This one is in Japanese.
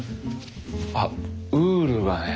あっウールはね